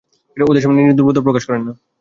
ওদের সামনে নিজের দুর্বলতা প্রকাশ কোরেন না।